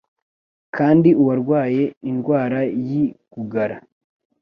Kandi uwarwaye indwara yi gugara